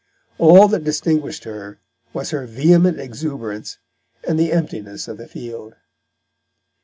All that distinguished her was her vehement exuberance and the emptiness of the field.